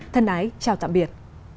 thân ái chào tạm biệt